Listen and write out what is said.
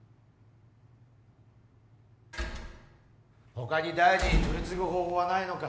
・・他に大臣に取り次ぐ方法はないのか？